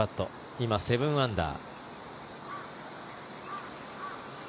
今、７アンダー。